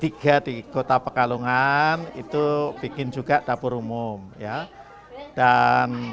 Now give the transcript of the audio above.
di advisors kalung ngand itu bikin juga dapur umum ya dan memang ya kalau partai politik hanya